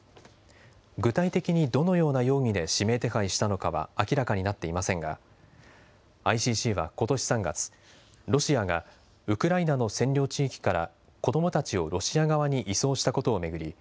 具体的に、どのような容疑で指名手配したのかは明らかになっていませんがＩＣＣは、ことし３月ロシアがウクライナの占領地域から子どもたちをロシア側に移送したことを巡り